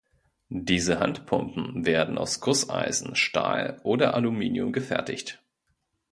Diese Handpumpen werden aus Gusseisen, Stahl oder Aluminium gefertigt.